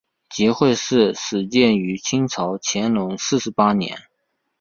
集惠寺始建于清朝乾隆四十八年。